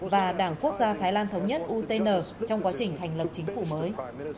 và đảng quốc gia thái lan thống nhất trong quá trình thành lập chính phủ mới